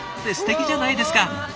すてきじゃないですか。